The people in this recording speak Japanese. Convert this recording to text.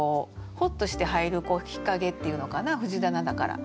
ほっとして入る日陰っていうのかな藤棚だから。